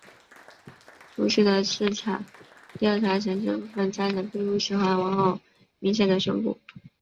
初期的市场调查显示部份家长并不喜欢玩偶明显的胸部。